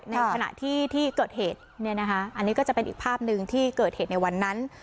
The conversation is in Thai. ในขณะที่ที่เกิดเหตุอันนี้ก็จะเป็นอีกภาพหนึ่งที่เกิดเหตุในวันนั้น